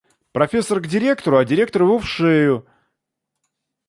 Профессор к директору, а директор его в шею.